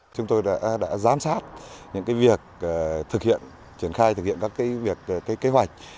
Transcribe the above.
chúng tôi đã giám sát những cái việc thực hiện triển khai thực hiện các cái việc kế hoạch